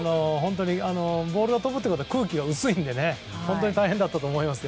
ボールが飛ぶということは空気が薄いので本当に大変だったと思います。